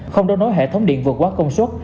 không để nối hệ thống điện vượt quá công suất